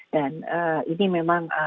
dan ini memang